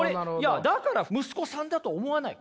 だから息子さんだと思わない。